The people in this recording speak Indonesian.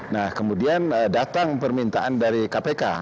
nah kemudian datang permintaan dari kpk